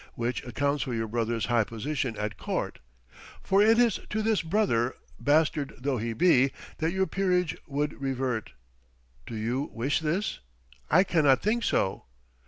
which accounts for your brother's high position at court; for it is to this brother, bastard though he be, that your peerage would revert. Do you wish this? I cannot think so.